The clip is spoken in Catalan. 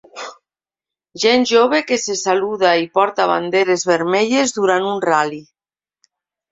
Gent jove que se saluda i porta banderes vermelles durant un ral·li